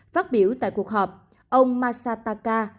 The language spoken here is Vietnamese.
phát biểu tại cuộc họp ông masataka